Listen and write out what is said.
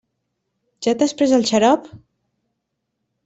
Ja t'has pres el xarop?